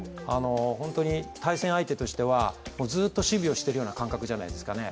本当に対戦相手としてはずっと守備をしているような感覚じゃないですかね。